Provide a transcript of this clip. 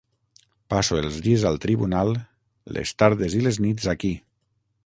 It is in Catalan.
Passo els dies al tribunal, les tardes i les nits aquí.